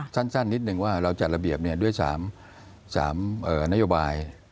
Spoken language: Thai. สั้นนิดนึงว่าเราจัดระเบียบด้วย๓นโยบาย